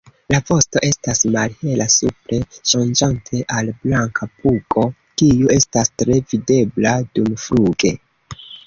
La vosto estas malhela supre ŝanĝante al blanka pugo kiu estas tre videbla dumfluge.